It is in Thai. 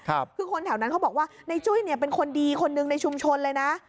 คือคนแถวนั้นเขาบอกว่าในจุ้ยเนี่ยเป็นคนดีคนหนึ่งในชุมชนเลยนะ